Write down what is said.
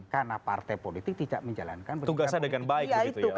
karena partai politik tidak menjalankan pendidikan politik